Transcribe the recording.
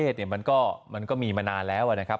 ตามเดี๋ยวจะหมอครับ